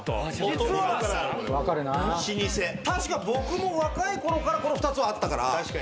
確か僕も若いころからこの２つはあったから。